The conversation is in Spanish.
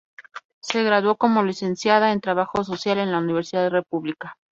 Se graduó como Licenciada en Trabajo Social en la Universidad de la República.